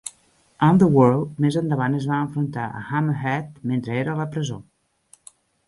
Underworld més endavant es va enfrontar a Hammerhead mentre era a la presó.